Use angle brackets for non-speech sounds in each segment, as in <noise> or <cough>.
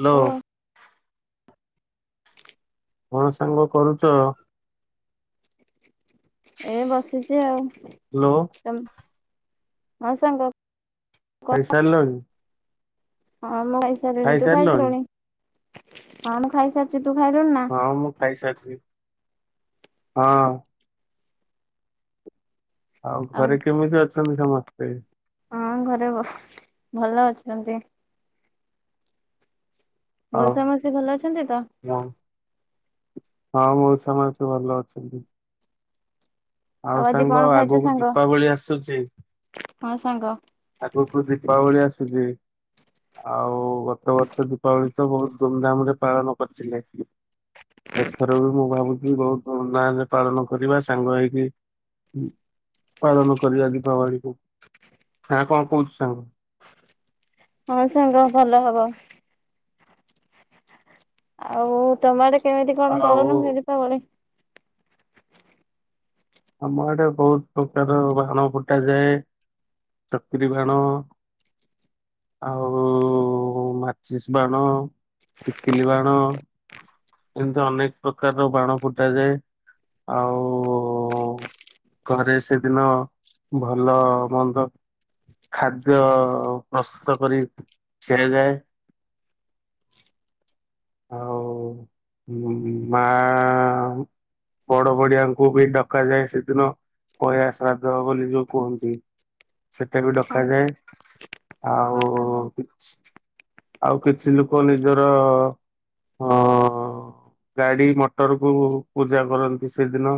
Hello. କଣ ସାଙ୍ଗ କରୁଛ? ଏ ବସିଛି ଆଉ। ହ୍ୟାଲୋ ତ ହଁ ସାଙ୍ଗ ଖାଇ ସାରିଲଣି। ହଁ ମୁଁ ଖାଇସାରିଲିଣି, ତୁ ଖାଇସାରିଲଣି ଖାଇସାରିଲୁଣି। ହଁ ମୁଁ ଖାଇସାରିଛି ତୁ ଖାଇଲୁଣି ନା। ହଁ ମୁଁ ଖାଇସାରିଛିି ହଁ। ଆଉ ଘରେ କେମିତି ଅଛନ୍ତି ସମସ୍ତେ? ହଁ ଘରେ <unintelligible> ଭଲ ଅଛନ୍ତି। ଆଉ ମଉସା ମାଉସୀ ଭଲ ଅଛନ୍ତି ତ। ହଁ ହଁ ମଉସା ମାଉସୀ ଭଲ ଅଛନ୍ତି। ଆଉ ଆଜି କଣ ସାଙ୍ଗ ଖାଇଛୁ ଆଗକୁ ସାଙ୍ଗ ଦୀପାବଳି ଆସୁଛି। ହଁ ସାଙ୍ଗ। ଆଗକୁ ଦୀପାବଳି ଆସୁଛି। ଆଉ ଗତ ବର୍ଷ ଦୀପାବଳି ତ ବହୁତ ଧୁମଧାମରେ ପାଳନ କରିଥିଲେ। ଏଥର ବି ମୁଁ ଭାବୁଛି ବହୁତ ଧୁମଧାମରେ ପାଳନ କରିବା ସାଙ୍ଗ ହେଇକି। ହ ପାଳନ କରିବା ଦୀପାବଳିକୁ। ନା କଣ କହୁଛୁ ସାଙ୍ଗ। ହଁ ସାଙ୍ଗ ଭଲ ହବ। ଆଉ ତମ ଆଡ଼େ କେମିତି କଣ ପାଳନ ଆଉ ହୁଏ ଦୀପାବଳି? ଆମ ଆଡ଼େ ବହୁତ ପ୍ରକାର ବାଣ ଫୁଟା ଯାଏ। ଚକିରି ବାଣ, ଆଉ ମାଚିସ୍ ବାଣ, ଟିକିଲି ବାଣ ଏମିତି ଅନେକ ପ୍ରକାରର ବାଣ ଫୁଟାଯାଏ। ଆଉ ଓ ଘରେ ସେଦିନ ଭଲ ମନ୍ଦ ଖାଦ୍ୟ ପ୍ରସ୍ତୁତ କରି ଖିଆଯାଏ। ଆଉ ମା ବଡ଼ ବଡ଼ିଆଙ୍କୁ ବି ଡକାଯାଏ ସେଦିନ ପଇଆ ଶ୍ରାଦ୍ଧ ବୋଲି ଯୋଉ କୁହନ୍ତି। ସେଟା ବି ହଁ ଡକାଯାଏ ହଁ ଆଉ ସାଙ୍ଗ ଆଉ କିଛି ଲୋକ ନିଜର ଅଁ ଗାଡ଼ି ମଟରକୁ ପୂଜା କରନ୍ତି ସେଦିନ।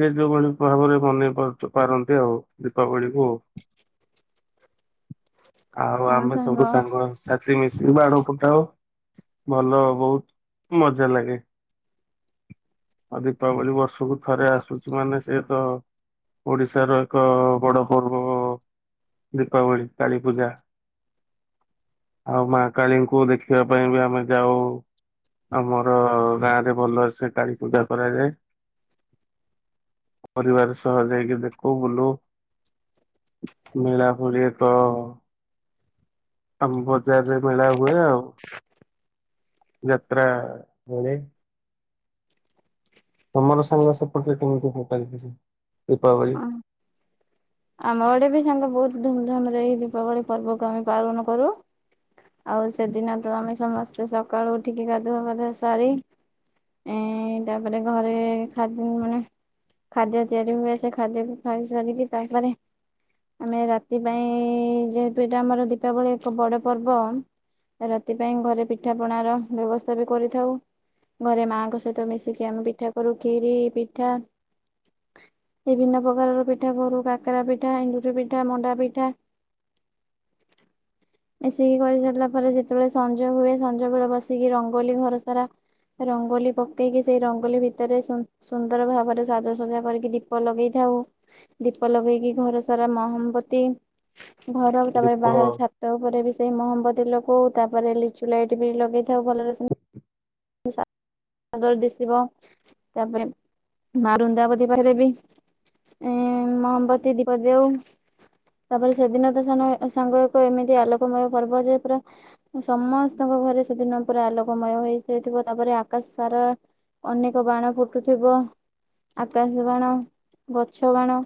ଯିଏ ଯୋଉଭଳି ଭାବରେ ମନେଇ ପାରୁ ପାରନ୍ତି ଆଉ ଦୀପାବଳିକୁ। ଆଉ ଆମେ ସବୁ ସାଙ୍ଗ ସାଥି ସାଥୀ ମିଳି ମିଶିକି ବାଣ ଫୁଟାଉ ଭଲ ବହୁତ ମଜା ଲାଗେ। ଆଉ ଦୀପାବଳି ବର୍ଷକୁ ଥରେ ଆସୁଛି ମାନେ ସେ ତ ଓଡ଼ିଶାର ଏକ ବଡ଼ ପର୍ବ ଦୀପାବଳି କାଳି ପୂଜା ଆଉ ମା କାଳୀଙ୍କୁ ଦେଖିବା ପାଇଁ ବି ଆମେ ଯାଉ। ଆମର ଗାଁ ରେ ଭଲସେ କାଳୀ ପୂଜା କରାଯାଏ। ପରିବାର ସହ ଯାଇକି ଦେଖୁ ବୁଲୁ। ମେଳା ପଡ଼ିଆ ତ ଆମ ବଜାରରେ ମେଳା ହୁଏ ଆଉ। ଯାତ୍ରା ପଡ଼େ। ତମର ସାଙ୍ଗ ସେପଟରେ କେମିତି କାଳୀ ପୂଜା ଦୀପାବଳି? ହଁ ଆମ ଆଡ଼େ ବି ସାଙ୍ଗେ ବହୁତ ଧୁମଧାମ ରେ ଏଇ ଦୀପାବଳି ପର୍ବକୁ ଆମେ ପାଳନ କରୁ। ଆଉ ସେଦିନ ତ ଆମେ ସମସ୍ତେ ସକାଳୁ ଉଠିକି ଗାଧୁବା ପାଧୁଆ ସାରି ଏ ତାପରେ ଘରେ ଖାଦ୍ୟ ମାନେ ଖାଦ୍ୟ ତିଆରି ହୁଏ ସେ ଖାଦ୍ୟକୁ ଖାଇ ସାରିକି ତାପରେ ଆମେ ରାତି ପାଇଁ ଯେହେତୁ ଏଇଟା ଆମର ଦୀପାବଳି ଏକ ବଡ଼ ପର୍ବ ରାତି ପାଇଁ ଘରେ ପିଠାପଣାର ବ୍ୟବସ୍ଥା ବି କରିଥାଉ। ଘରେ ମାଆଙ୍କ ସହିତ ମିଶିକି ଆମେ ପିଠା କରୁ ଖିରି ପିଠା ବିଭିନ୍ନ ପ୍ରକାରର ପିଠା କରୁ। କାକରା ପିଠା, ଏଣ୍ଡୁରି ପିଠା, ମଣ୍ଡା ପିଠା <inaudible> ମିସିକି କରିସାରିଲା ପରେ ଯେତେବେଳେ ସଞ୍ଜ ହୁଏ ସଞ୍ଜ ବେଳେ ବସିକି ରଙ୍ଗୋଲି ଘର ସାରା ରଙ୍ଗୋଲି ପକେଇକି ସେଇ ରଙ୍ଗୋଲି ଭିତରେ ସ ସୁନ୍ଦର ଭାବରେ ସାଜସଜା କରିକି ଦୀପ ଲଗେଇଥାଉ ଦୀ ପ ଲଗେଇକି ଘର ସାରା ମହମବତି ଘର ତାପରେ ଦୀପ ବାହାର ଛାତ ତାପରେ ବି ସେଇ ମହମବଦୀ ଲଗଉ ତାପରେ ଲିଚୁ ଲାଇଟ୍ ବି ଲଗେଇଥାଉ ଭଲରେ ସା ଗର ଦିଶିବ। ତାପରେ ମା ବୃନ୍ଦାବତୀ ପାଖରେ ବି ଏ <inaudible> ମହମବତୀ ଦୀପ ଦେଉ। ତାପରେ ସେଦିନ ତ ସାନ ସାଙ୍ଗ ଏକ ଏମିତି ଆଲୋକମୟ ପର୍ବ ଯେ ପୁରା ସମସ୍ତଙ୍କ ଘରେ ସେଦିନ ପୁରା ଆଲୋକମୟ ହେଇଯାଇଥିବ ତାପରେ ଆକାଶ ସାରା ଅନେକ ବାଣ ଫୁଟୁଥିବ ଆକାଶ ବାଣ, ଗଛ ବାଣ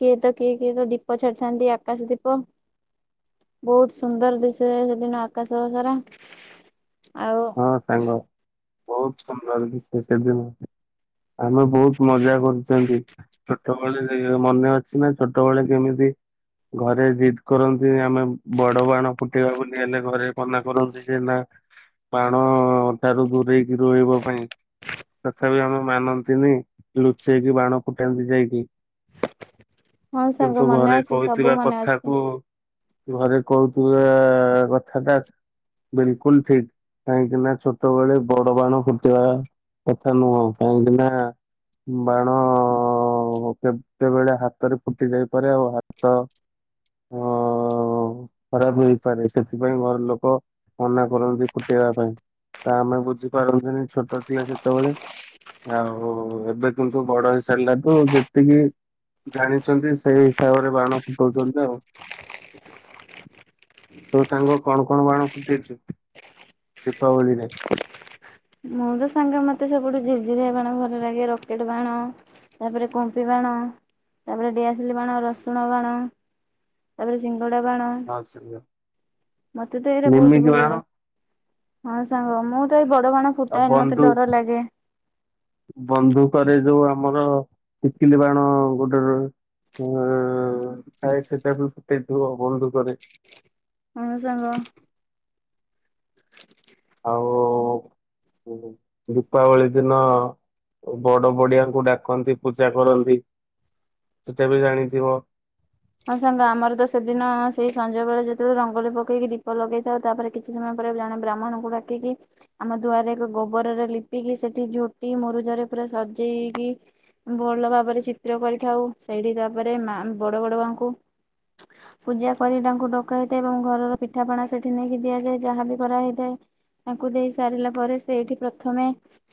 କିଏ ତ କିଏ କିଏ ତ ଦୀପ ଛାଡିଥାନ୍ତି ଆକାଶ ଦୀପ। ବହୁତ ସୁନ୍ଦର ଦିଶେ ସେଦିନ ଆକାଶ ସାରା ଆଉ ହଁ ସାଙ୍ଗ ବହୁତ ସୁନ୍ଦର ସେ ସେଦିନ ଆମେ ବହୁତ ମଜା କରୁଛନ୍ତି। ଛୋଟବେଳେ ଯେ ମନେ ଅଛି ନା ଛୋଟବେଳେ କେମିତି ଘରେ ଜିଦ୍ କରନ୍ତି ଆମେ ବଡ ବାଣ ଫୁଟେଇବା ବୋଲି ହେଲେ ଘରେ ମନା କରନ୍ତି ଯେ ନା ବାଣ ଠାରୁ ଦୂରେଇକି ରହିବା ପାଇଁ ତଥାପି ଆମେ ମାନନ୍ତିନି ଲୁଚେଇକି ବାଣ ଫୁଟାନ୍ତି ଯାଇକି। ହଁ ସାଙ୍ଗ କିନ୍ତୁ ମନେ ଘରେ ଅଛି ସବୁ କହିଥିବା ମନେ ଅଛି। କଥାକୁ ଘରେ କହୁଥିବା କଥା ଟା ବିଲକୁଲ ଠିକ୍। କାହିଁକି ନା ଛୋଟବେଳେ ବଡ ବାଣ ଫୁଟିବା କଥା ନୁହଁ କାହିଁକି ନା ବାଣ ହଉ କେତେବେଳେ ହାତରେ ଫୁଟି ଯାଇପାରେ ଆଉ ହାତ ଅ ଖରାପ ହେଇପାରେ ସେଥିପାଇଁ ଘର ଲୋକ ମନା କରନ୍ତି। ଫୁଟେଇବା ପାଇଁ ତ ଆମେ ବୁଝିପାରନ୍ତିନି ଛୋଟ ଥିଲା ସେତେବେଳେ ଆଉ ଏବେ କିନ୍ତୁ ବଡ ହେଇସାରିଲା କୁ ଯେତିକି ଜାଣିଛନ୍ତି ସେଇ ହିସାବରେ ବାଣ ଫୁଟଉଛନ୍ତି ଆଉ। ତୋ ସାଙ୍ଗ କଣ କଣ ବାଣ ଫୁଟେଇଛୁ। ଦୀପାବଳିରେ। ମୁଁ ତ ସାଙ୍ଗ ମତେ ସବୁଠୁ ଝିରଝିରିଆ ବାଣ ଭଲ ଲାଗେ ରକେଟ ବାଣ। ତାପରେ କୁମ୍ପି ବାଣ ତାପରେ ଡିଆସିଲ ବାଣ, ରସୁଣ ବାଣ ତାପରେ ସିଙ୍ଗଡ଼ା ବାଣ <unintelligible> ମତେ ତ ଏଇଟା ବହୁତ ନିମିକି ଭଲ ବାଣ ଲାଗେ। ହଁ ସାଙ୍ଗ ମୁଁ ତ ଏଇ ବଡ ବାଣ ଆ ଫୁଟାଏନି ମତେ ବନ୍ଧୁ ଡର ଲାଗେ ବନ୍ଧୁକରେ ଯୋଉ ଆମର ଟିକିଲି ବାଣ ଗୋଟେରହେ। ଉ ଥାଏ ସେଟା ବି ଫୁଟେଇଥିବ ବନ୍ଧୁକରେ। ହଁ ସାଙ୍ଗ। ଆଉ ଦୀପାବଳି ଦିନ ବଡ ବଡିଆଙ୍କୁ ଡାକନ୍ତି ପୂଜା କରନ୍ତି ସେଟା ବି ଜାଣିଥିବ। ହଁ ସାଙ୍ଗ ଆମର ତ ସେଦିନ ସେଇ ସଞ୍ଜବେଳେ ଯେତେବେଳେ ରଙ୍ଗୋଲି ପକେଇକି ଦୀପ ଲଗେଇ ଥାଉ ତାପରେ କି କିଛି ସମୟ ପରେ ଜଣେ ବ୍ରାହ୍ମଣଙ୍କୁ ଡାକିକି ଆମ ଦୁଆରେ ଏକ ଗୋବରରେ ଲିପିକି ସେଠି ଝୋଟି ମରୁଜରେ ପୁରା ସଜେଇକି ଭଲ ଭାବରେ ଚିତ୍ର କରିଥାଉ ସେଇଠି ତାପରେ ମା ବଡ ବଡୁ ଆଙ୍କୁ ପୂଜା କରି ତାଙ୍କୁ ଡକା ହେଇଥାଏ ଏବଂ ଘରର ପିଠାପଣା ସେଠି ନେଇକି ଦିଆଯାଏ ଯାହା ବି କରାହଇଥାଏ। ତାଙ୍କୁ ଦେଇ ସାରିଲା ପରେ ସେଇଠି ପ୍ରଥମେ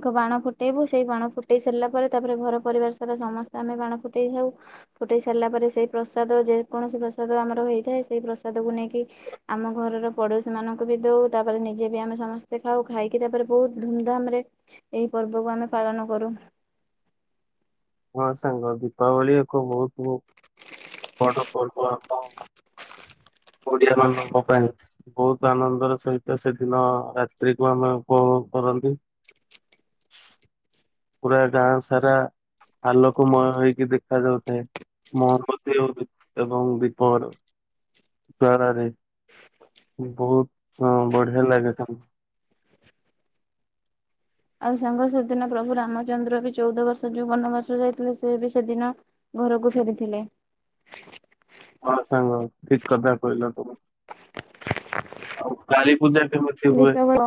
ଏକ ବାଣ ଫୁଟେଇବୁ ସେଇ ବାଣ ଫୁଟେଇ ସାରିଲା ପରେ ତାପରେ ଘର ପରିବାର ସାରା ସମସ୍ତେ ଆମେ ବାଣ ଫୁଟେଇଥାଉ। ଫୁଟେଇ ସାରିଲା ପରେ ସେଇ ପ୍ରସାଦ ଯେ କୌଣସି ପ୍ରସାଦ ଆମର ହେଇଥାଏ ସେଇ ପ୍ରସାଦକୁୁ ନେଇକି ଆମ ଘରର ପଡୋଶୀ ମାନଙ୍କୁ ବି ଦଉ ତାପରେ ନିଜେ ବି ଆମେ ସମସ୍ତେ ଖାଉ ଖାଇକି ତାପରେ ବହୁତ ଧୁମଧାମ ରେ ଏହି ପର୍ବକୁ ଆମେ ପାଳନ କରୁ। ହଁ ସାଙ୍ଗ ଦୀପାବଳି ଏକ ବହୁତ ବହୁ <unintelligible> ବଡ଼ ପର୍ବ ଆମ ଓଡିଆ ମାନଙ୍କ ପାଇଁ। ବହୁତ ଆନନ୍ଦର ସହିତ ସେଦିନ ରାତ୍ରିକୁୁ ଆମେ ଉପଭୋଗ କରନ୍ତି। ପୁରା ଗାଁ ସାରା ଆଲୋକ ମୟ ହେଇକି ଦେଖା ଯାଉଥାଏ। ମହମ୍ବତି ଓ ଏବଂ ଦୀପର ଘରରେ ବହୁତ ବଢିଆ ଲାଗେ ତାଙ୍କୁ। ଆଉ ସାଙ୍ଗ ସେଦିନ ପ୍ରଭୁ ରାମଚନ୍ଦ୍ର ବି ଚଉଦ ବର୍ଷ ଯୋଉ ବନବାସ ଯାଇଥିଲେ ସେ ବି ସେଦିନ ଘରକୁ ଫେରିଥିଲେ। <inaudible> ହ ସାଙ୍ଗ ଠିକ କଥା କହିଲ ତମ ଆଉ କାଳି ପୂଜା କେମିତି ହୁଏ? ଦୀପାବଳି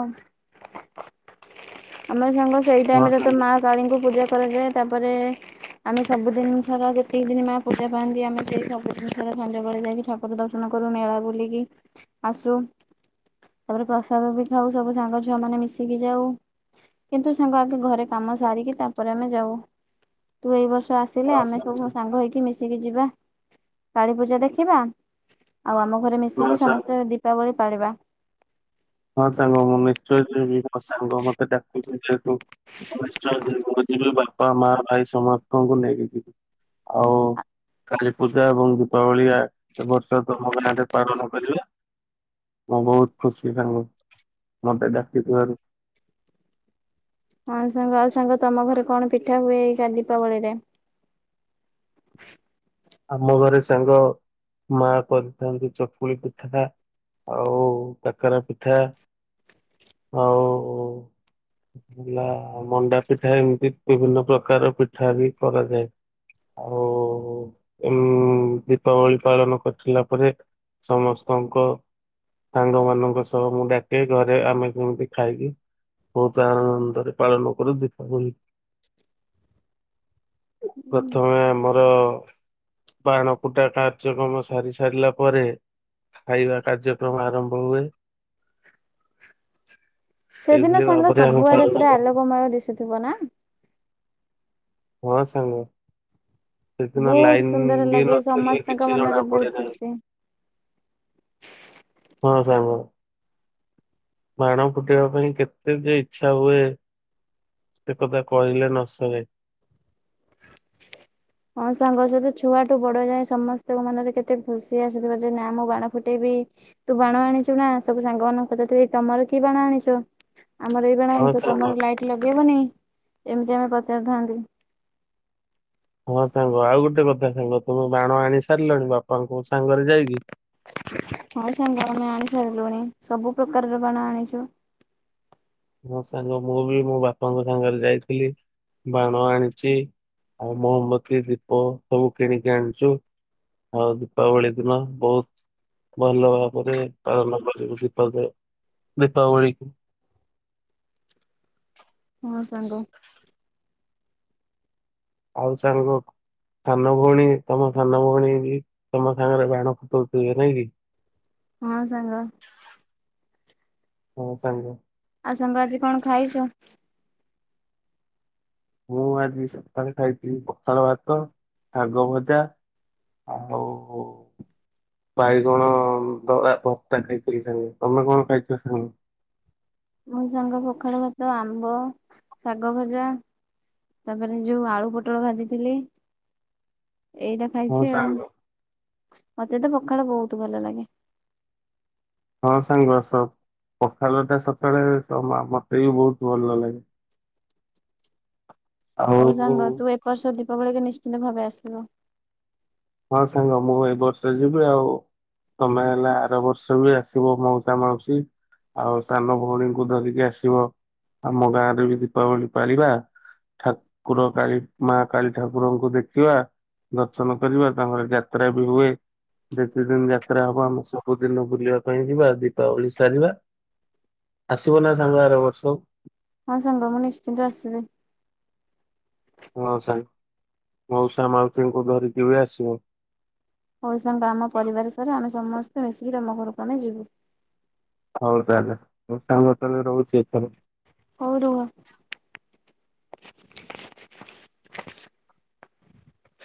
ଆମେ ସାଙ୍ଗ ସେଇ ହଁ ଟାଇମ୍ ରେ ତ ସାଙ୍ଗ ମା କାଳୀ ଙ୍କୁ ପୂଜା କରାଯାଏ ତାପରେ ଆମେ ସବୁ ଦିନ୍ ସାରା ଯେତିକି ଦିନ୍ ମା ପୂଜା ପାଆନ୍ତି ଆମେ ସେଇ ସବୁ ଦିନ୍ ସାରା ସଞ୍ଜବେଳେ ଯାଇକି ଠା ପଦର୍ଶନ କରୁ ମେଳା ବୁଲିକି ଆସୁ ତାପରେ ପାଦୁକ୍ ବି ଖାଉ ସବୁ ସାଙ୍ଗ ଛୁଆମାନେ ମିଶିକି ଯାଉ କିନ୍ତୁ ସାଙ୍ଗ ଆଗେ ଘରେ କାମ ସାରିକି ତାପରେ ଆମେ ଯାଉ ତୁ ଏଇ ବର୍ଷ ଆସି ଥିଲେ ଆମେ ସବୁ ସାଙ୍ଗ ହେଇକି ମିଶିକି ଯିବା କାଳୀପୂଜା ଦେଖିବା ଆଉ ଆମ ଘରେ ହଁ ମିଶିକି ସାଙ୍ଗ। ସମସ୍ତେ ଦୀପାବଳି ପାଳିବା। ହଁ ସାଙ୍ଗ ମୁଁ ନିଶ୍ଚୟ ଯିବି ମୋ ସାଙ୍ଗ ମତେ ଡାକୁଛି ଯେହେତୁ ମୁଁ ନିଶ୍ଚୟ ଯିବି ବାପା, ମା, ଭାଇ, ସମସ୍ତଙ୍କୁ ନେଇକି ଯିବି। ଆଉ। କାଳୀ ପୂଜା ଏବଂ ଦୀପାବଳିଆ ଏବ ବର୍ଷ ତମରି ଗାଁ ପାଳନ କରିବା ମୁଁ ବହୁତ୍ ଖୁସି ସାଙ୍ଗ ଚୁ ମତେ ଡାକିଥିବାରୁ। ହଁ ସାଙ୍ଗ ଆଉ ସାଙ୍ଗ ତମ ଘରେ କଣ ପିଠା ହୁଏ ଏଇ ଦୀପାବଳିରେ? ଆମ ଘରେ ସାଙ୍ଗ ମା କରିଥାନ୍ତି ଚକୁଳି ପିଠାଟା। ଆଉ କାକରା ପିଠା ଆଉ ହେଲା ମଣ୍ଡା ପିଠା ଏମିତି ବିଭିନ୍ନ ପ୍ରକାର ପିଠା ବି କରାଯାଏ। ଆଉ ଉଁ ଦୀପାବଳି ପାଳନ କରିିସାରିଲା ପରେ ସମସ୍ତଙ୍କ ସାଙ୍ଗ ମାନଙ୍କ ସହ ମୁଁ ଡାକେ ଘରେ ଆମେ କେମିତି ଖାଇକି ବହୁତ୍ ଆ ଆନନ୍ଦରେ ପାଳନ କରୁ ଦୀପାବଳୀ ପ୍ରଥମେ ଆମର ବାଣ ଫୁଟା କାର୍ଯ୍ୟକ୍ରମ ସାରି ସାରିଲା ପରେ ଖାଇବା କାର୍ଯ୍ୟକ୍ରମ ଆରମ୍ଭ ହୁଏ। ସେଦିନ ଏଇଭଳି ସାଙ୍ଗ ଭାବରେ ଆମେ ସବୁଆଡେ ପାଳନ ପୁରା କରୁ। ଆଲୋକମୟ ଦିଶୁଥିବ ନା। ହଁ ସାଙ୍ଗ ସେଦିନ ବହୁତ ଲାଇନ ସୁନ୍ଦର ବି ଲାଗେ ନଥିଲେ ସମସ୍ତଙ୍କ କିଛି ମନରେ ଜଣା ବହୁତ ପଡେନାହିଁ। ଖୁସି। ହଁ ସାଙ୍ଗ। ବାଣ ଫୁଟେଇବା ପାଇଁ କେତେ ଯେ ଇଛା ହୁଏ। ସେ କଥା କହିଲେ ନସରେ। ହଁ ସାଙ୍ଗ ସେତ ଛୁଆଠୁ ବଡ ଯାଏ ସମସ୍ତଙ୍କ ମନରେ କେତେ ଖୁସି ଆସିଥିବ ଯେ ନା ମୁଁ ବାଣ ଫୁଟେଇବି ତୁ ବାଣ ଆଣିଛୁ ନା ସବୁ ସାଙ୍ଗ ମାନଙ୍କୁ ପଚାରୁଥିବେ ତମର କି ବାଣ ଆଣିଛ? ଆମର ଏଇ ବାଣ ହଁ ଆଣିଛୁ ସାଙ୍ଗ ତମର ଲାଇଟ ଲଗେଇବନି ଏମିତି ଆମେ ପଚାରିଥାନ୍ତି। ହଁ ସାଙ୍ଗ ଆଉ ଗୋଟେ କଥା ସାଙ୍ଗ ତୁମେ ବାଣ ଆଣି ସାରିଲଣି ବାପାଙ୍କୁ ସାଙ୍ଗରେ ଯାଇକି? ହଁ ସାଙ୍ଗ ଆମେ ଆଣି ସାରିଲୁଣି ସବୁ ପ୍ରକାରର ବାଣ ଆଣିଛୁ। ମୋ ସାଙ୍ଗ ମୁଁ ବି ମୋ ବାପାଙ୍କ ସାଙ୍ଗରେ ଯାଇଥିଲି ବାଣ ଆଣିଛି। ଆଉ ମହମବତୀ, ଦୀପ, ସବୁ କିଣିକି ଆଣିଛୁ ଆଉ ଦୀପାବଳି ଦିନ ବହୁତ ଭଲ ଭାବରେ ପାଳନ କରିବୁ ଦୀପ ଦେ ଦୀପାବଳିକୁ। <unintelligible> ହଁ ସାଙ୍ଗ। ଆଉ ସାଙ୍ଗ ସାନ ଭଉଣୀ ତମ ସାନ ଭଉଣୀ ବି ତମ ସାଙ୍ଗରେ ବାଣ ଫୁଟଉ ଥିଲେ ନାଇଁ କି? ହଁ ସାଙ୍ଗ। ହଁ ସାଙ୍ଗ। ଆଉ ସାଙ୍ଗ ଆଜି କଣ ଖାଇଛ? ମୁଁ ଆଜି ସକାଳେ ଖାଇଥିଲି ପଖାଳ ଭାତ ଶାଗ ଭଜା। ଆବ ହ ବାଇଗନ ଭତ୍ତା ଖାଇଥିଲି। ସାଙ୍ଗେ ତମେ କଣ ଖାଇଥିଲ ସାଙ୍ଗ? ମୋ ସାଙ୍ଗ ପଖାଳ ଭାତ ଆମ୍ବ ଶାଗ ଭଜା। ତାପରେ ଯୋଉ ଆଳୁ ପୋଟଳ ଭାଜିଥିଲି ଏଇଟା ହଁ ଖାଇଛି ଆଉ ସାଙ୍ଗ ମତେ ତ ପଖାଳ ବହୁତ ଭଲ ଲାଗେ। ହଁ ସାଙ୍ଗ ସବ ପଖାଳ ଟା ସକାଳେ ମତେ ବି ବହୁତ ଭଲ ଲାଗେ। ହଉ ସାଙ୍ଗ ଆଉ ତୁ ଏପର୍ଷ ଦୀପାବଳିିକ ନିଶ୍ଚିିତ ଭାବେ ଆସିବୁ। ହଁ ସାଙ୍ଗ ମୁଁ ଏଇ ବର୍ଷରେ ଯିବି ଆଉ। ତମେ ହେଲା ଆର ବର୍ଷ ବି ଆସିବ ମଉସା ମାଉସୀ। ଆଉ ସାନ ଭଉଣୀଙ୍କୁ ଧରିକି ଆସିବ ଆମ ଗାଁରେ ବି ଦୀପାବଳି ପାଳିବା। ଠାକୁର କାଳ ମା କାଳୀ ଠାକୁରଙ୍କୁ ଦେଖିବା ଦର୍ଶନ କରିବା ତାପରେ ତାଙ୍କର ଯାତ୍ରା ବି ହୁଏ। ଯେତେ ଦିନ ଯାତ୍ରା ହବ ଆମେ ସବୁଦିନ ବୁଲିବା ପାଇଁ ଯିବା ଦୀପାବଳି ସାରିବା। ଆସିବ ନା ସାଙ୍ଗ ଆର ବର୍ଷ? ହଁ ସାଙ୍ଗ ମୁଁ ନିଶ୍ଚିନ୍ତ ଆସିବି। ମଉସା ମଉସା ମାଉସୀଙ୍କୁ ଧରିକି କେବେ ଆସିବ? ହଉ ସାଙ୍ଗ ଆମ ପରିବାର ସାରା ଆମେ ସମସ୍ତେ ମିଶିକି ତମ ଘରକୁ ଆମେ ଯିବୁ। ହଉ ତାହେଲେ ସାଙ୍ଗ ତାହେଲେ ରହୁଛି ଏଥର। ହଉ ରୁହ।